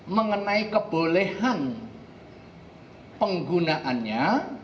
mengenai kebolehan penggunaannya